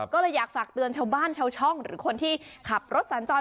ก็เลยอยากฝากเตือนชาวบ้านชาวช่องหรือคนที่ขับรถสัญจร